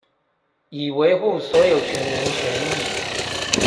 以維護所有權人權益